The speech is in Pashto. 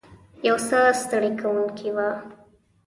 یو څه ستړې کوونکې وه.